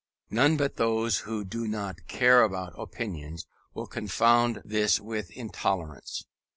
None but those who do not care about opinions will confound this with intolerance.